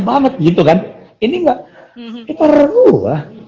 banget gitu kan ini enggak ipar gua